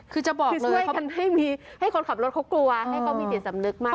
คือจะบอกช่วยกันให้คนขับรถเขากลัวให้เขามีจิตสำนึกมาก